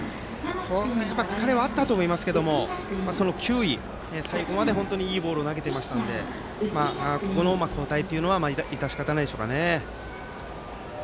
当然、疲れはあったと思いますが球威、最後までいいボールを投げていましたのでここの交代は致し方ないでしょうか。